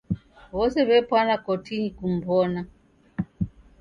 W'ose w'epwana kotinyi kum'bona.